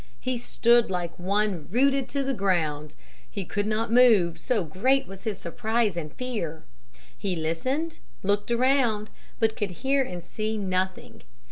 He stood like one rooted to the ground. He could not move, so great was his surprise and fear. He listened, looked around, but could hear and see nothing.